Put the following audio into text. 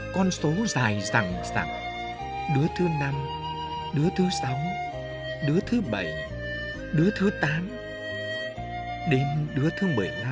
con số dài rằng rằng đứa thứ năm đứa thứ sáu đứa thứ bảy đứa thứ tám đêm đứa thứ một mươi năm